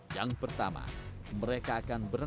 yang pertama mereka akan berhasil